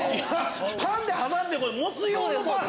パンで挟んで持つ用のパン？